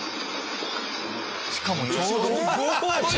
しかもちょうど。